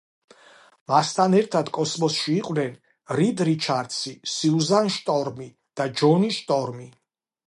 მასთან ერთად კოსმოსში იყვნენ რიდ რიჩარდსი, სიუზან შტორმი და ჯონი შტორმი.